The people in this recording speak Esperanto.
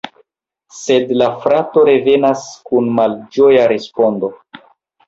Sed la frato revenas kun malĝoja respondo.